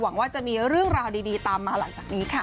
หวังว่าจะมีเรื่องราวดีตามมาหลังจากนี้ค่ะ